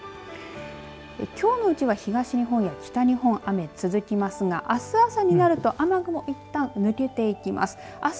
きょうのうちは東日本や北日本、雨続きますがあす朝になると雨雲いったん抜けていきます。